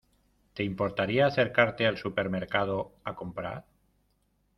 ¿Te importaría acercarte al supermercado a comprar?